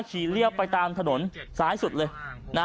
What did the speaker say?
เรียบไปตามถนนซ้ายสุดเลยนะ